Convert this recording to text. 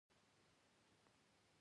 د محرومو ناروغانو خدمت یې کاوه.